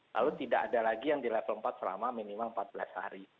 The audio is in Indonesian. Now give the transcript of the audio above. lalu tidak ada lagi yang di level empat selama minimal empat belas hari